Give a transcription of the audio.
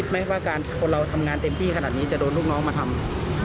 ไม่ว่าการคนเราทำงานเต็มที่ขนาดนี้จะโดนลูกน้องมาทำ